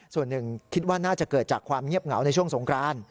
ส่วนหนึ่งคิดว่าน่าจะเกิดจากความเงียบเหงาในช่วงสงคราน